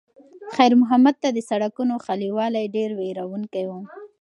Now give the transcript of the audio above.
خیر محمد ته د سړکونو خالي والی ډېر وېروونکی و.